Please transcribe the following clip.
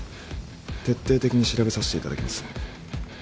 徹底的に調べさせていただきます。